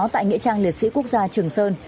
tại nghĩa trang liệt sĩ quốc gia trường sơn